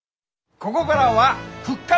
こごがらは復活！